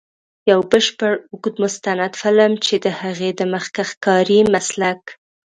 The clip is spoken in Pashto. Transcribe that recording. یو بشپړ اوږد مستند فلم، چې د هغې د مخکښ کاري مسلک.